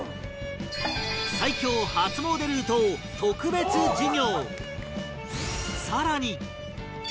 最強初詣ルートを特別授業！